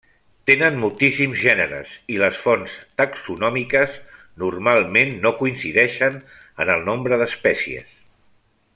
Tenen moltíssims gèneres, i les fonts taxonòmiques normalment no coincideixen en el nombre d'espècies.